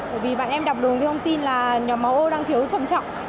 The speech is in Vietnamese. bởi vì bạn em đọc đồn cái thông tin là nhóm máu o đang thiếu trầm trọng